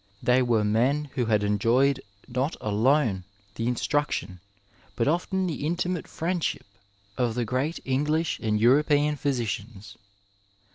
They were men who had enjoyed not alone the instruction but often the intimate friendship of the great English and European physicians.